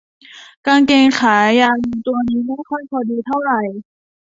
กางเกงขายาวตัวนี้ไม่ค่อยพอดีเท่าไหร่